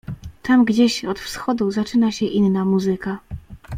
"Tam gdzieś od wschodu zaczyna się inna muzyka."